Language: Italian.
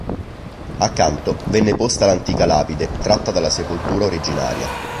Accanto venne posta l'antica lapide tratta dalla sepoltura originaria.